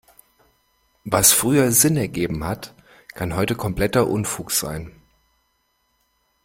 Was früher Sinn ergeben hat, kann heute kompletter Unfug sein.